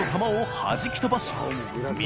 紊はじき飛ばし